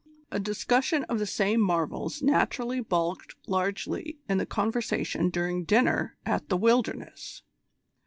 A discussion of the same marvels naturally bulked largely in the conversation during dinner at "The Wilderness."